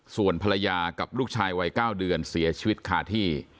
ส่วนภรรยากับลูกชายวัย๙เดือนเสียชีวิตคาที่